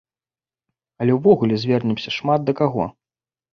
Але ўвогуле звернемся шмат да каго.